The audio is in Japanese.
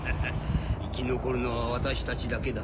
生き残るのは私たちだけだ